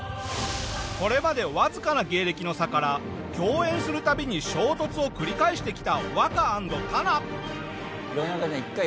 これまでわずかな芸歴の差から共演するたびに衝突を繰り返してきたワカ＆タナ。